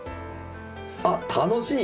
あっ楽しい！